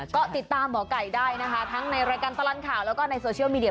ก็ติดตามหมอไก่ได้นะคะทั้งในรายการตลอดข่าวแล้วก็ในโซเชียลมีเดีย